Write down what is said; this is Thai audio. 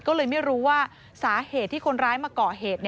ก็เลยไม่รู้ว่าสาเหตุที่คนร้ายมาก่อเหตุ